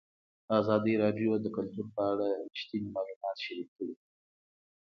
ازادي راډیو د کلتور په اړه رښتیني معلومات شریک کړي.